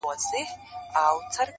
تل به تهمتونه د زندان زولنې نه ویني -